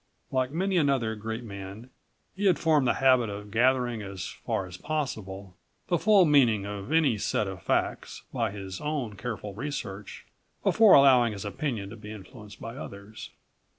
Like many another great man he had formed the habit of gathering, as far as possible, the full meaning of any set of facts by his own careful research, before allowing his opinion to be influenced by others.